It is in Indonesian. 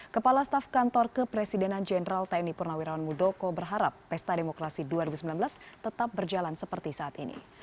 kepala staf kantor kepresidenan jenderal tni purnawirawan muldoko berharap pesta demokrasi dua ribu sembilan belas tetap berjalan seperti saat ini